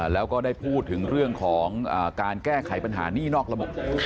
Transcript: แล้วก็ได้พูดถึงเรื่องของการแก้ไขปัญหานี่นอกระบบ